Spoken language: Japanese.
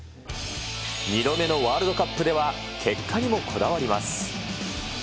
２度目のワールドカップでは結果にもこだわります。